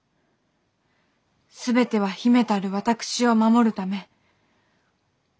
全ては姫たる私を守るため。